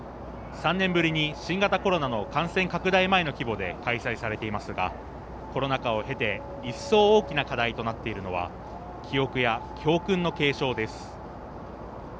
３年ぶりに新型コロナの感染拡大前の規模で開催されていますがコロナ禍を経て一層大きな課題となっているのは記憶や教訓の継承です。